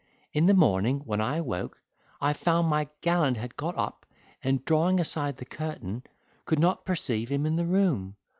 In the morning, when I awoke, I found my gallant had got up, and, drawing aside the curtain, could not perceive him in the room.